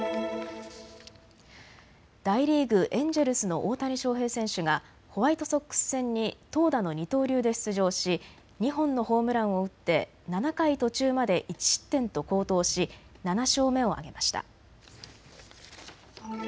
大リーグ、エンジェルスの大谷翔平選手がホワイトソックス戦に投打の二刀流で出場し２本のホームランを打って７回途中まで１失点と好投し７勝目を挙げました。